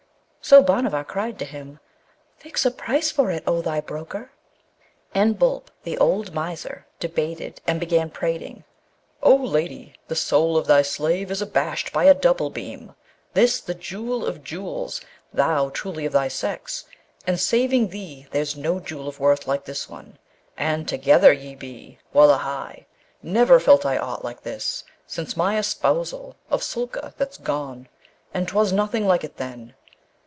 So Bhanavar cried to him, 'Fix a price for it, O thou broker!' And Boolp, the old miser, debated, and began prating, 'O lady! the soul of thy slave is abashed by a double beam, this the jewel of jewels, thou truly of thy sex; and saving thee there's no jewel of worth like this one, and together ye be wullahy! never felt I aught like this since my espousal of Soolka that 's gone, and 'twas nothing like it then!